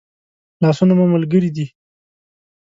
لاسونه مو ملګري دي